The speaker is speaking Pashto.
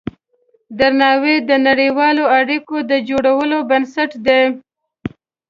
درناوی د نړیوالو اړیکو د جوړولو بنسټ دی.